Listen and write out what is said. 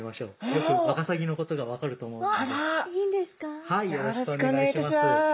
よろしくお願いします。